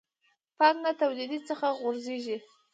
پانګه توليديت څخه غورځېږي.